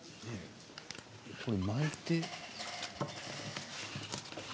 これ、巻いて。